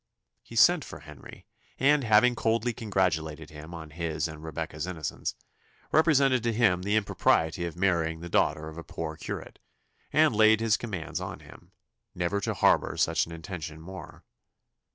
He sent for Henry, and having coldly congratulated him on his and Rebecca's innocence, represented to him the impropriety of marrying the daughter of a poor curate, and laid his commands on him, "never to harbour such an intention more."